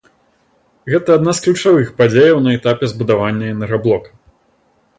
Гэта адна з ключавых падзеяў на этапе збудавання энергаблока.